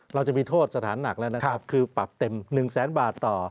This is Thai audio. เราจะมีโทษสถานหนักแล้วนะครับคือปรับเต็ม๑แสนบาทต่อ